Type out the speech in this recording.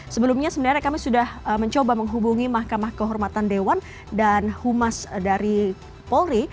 sebelumnya sebenarnya kami sudah mencoba menghubungi mahkamah kehormatan dewan dan humas dari polri